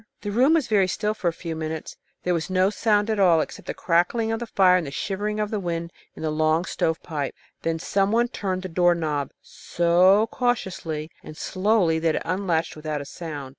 The room was very still for a few minutes. There was no sound at all except the crackling of the fire and the shivering of the wind in the long stovepipe. Then some one turned the door knob so cautiously and slowly that it unlatched without a sound.